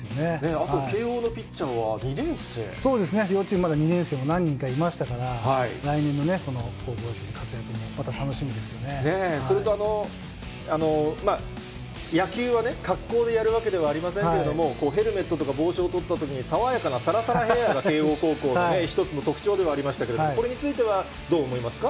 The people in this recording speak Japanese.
あと、慶応のピッチャーは２そうですね、両チームまだ２年生が何人かいましたから、来年のね、高校野球でそれと、野球は格好でやるわけではありませんけれども、ヘルメットとか帽子を取ったときに、爽やかなさらさらヘアーが慶応高校の一つの特徴ではありましたけども、これについては、どう思いますか。